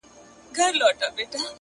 په مټي چي وكړه ژړا پر ځـنـگانــه،